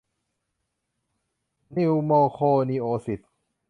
นิวโมโคนิโอซิส